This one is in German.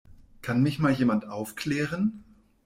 Kann mich mal jemand aufklären?